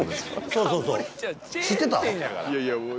そうそうそう。